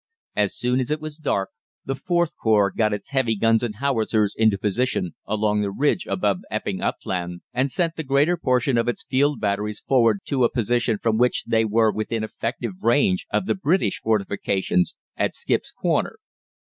As soon as it was dark the IVth Corps got its heavy guns and howitzers into position along the ridge above Epping Upland, and sent the greater portion of its field batteries forward to a position from which they were within effective range of the British fortifications at Skip's Corner.